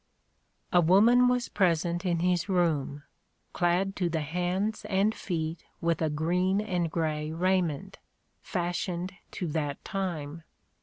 A woman was present in his room, clad to the hands and feet with a green and grey raiment, fashioned to that time.